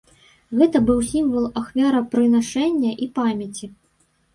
Гэта быў сімвал ахвярапрынашэння і памяці.